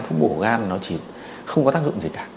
phân bổ gan nó chỉ không có tác dụng gì cả